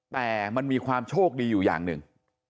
แต่มันมีความโชคดีอยู่อย่างหนึ่ง